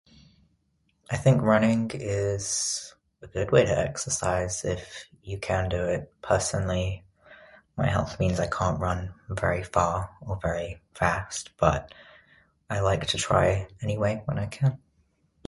I think running is a good way to exercise if you can do it. Personally, my health means I can't run very far or very fast, but I like to try anyway, when I can.